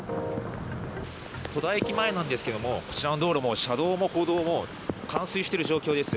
戸田駅前なんですけども、こちらの道路も、車道も歩道も冠水している状況です。